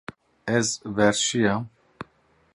Ez verşiyam.